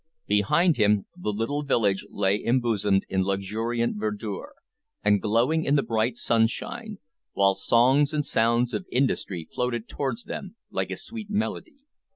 Behind him the little village lay embosomed in luxuriant verdure, and glowing in the bright sunshine, while songs and sounds of industry floated towards them like a sweet melody.